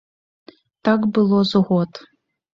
Так было з год.